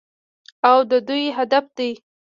او د دوی هدف دی.